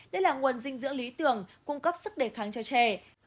đây là nguồn dinh dưỡng lý tưởng cung cấp sức đề kháng cho trẻ